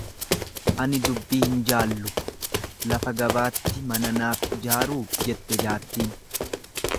Ani dubbii hin jaallu lafa gabaatti mana naf ijaaruu jette jaartiin.